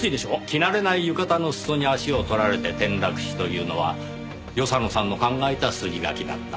着慣れない浴衣の裾に足を取られて転落死というのは与謝野さんの考えた筋書きだった。